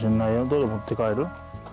どれ持って帰る？